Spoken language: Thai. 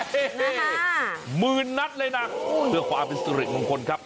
นะฮะมืนนัดเลยน่ะเพื่อความเป็นสุริยะบางคนครับ